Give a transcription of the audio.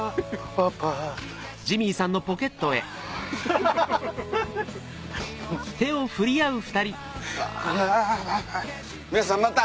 パパ皆さんまた。